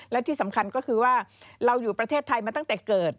และที่สำคัญก็คือว่าเราอยู่ประเทศไทยมาตั้งแต่เกิด